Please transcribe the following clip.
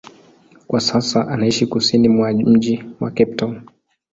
Kwa sasa anaishi kusini mwa mji wa Cape Town.